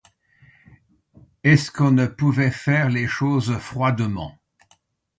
Est-ce qu'on ne pouvait faire les choses froidement?